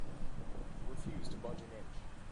Refuse to budge an inch